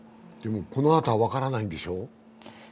このあとは分からないんでしょう？